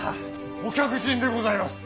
お客人でございます。